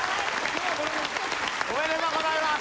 おめでとうございます。